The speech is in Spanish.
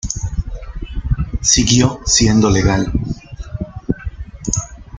Siguió siendo legal.